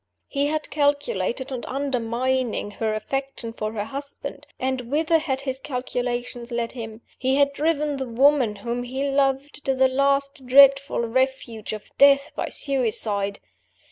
He had calculated on undermining her affection for her husband and whither had his calculations led him? He had driven the woman whom he loved to the last dreadful refuge of death by suicide!